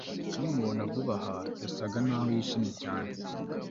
Nkimubona vuba aha yasaga naho yishimye cyane